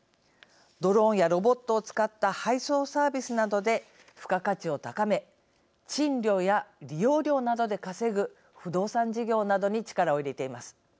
ドローンやロボットを使った配送サービスなどで付加価値を高め賃料や利用料などで稼ぐ不動産事業などに力を入れています。